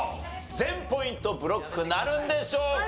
全ポイントブロックなるんでしょうか？